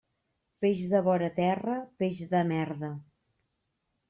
Peix de vora terra, peix de merda.